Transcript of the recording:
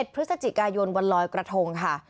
พฤศจิกายนวันลอยกระทงค่ะ